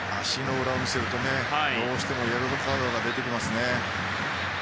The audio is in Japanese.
足の裏を見せるとどうしてもイエローカードが出てきますね。